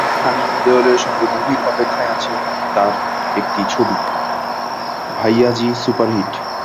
তবে সানি দেওলের সঙ্গে মুক্তির অপেক্ষায় আছে তাঁর একটি ছবি, ভাইয়াজি সুপারহিট।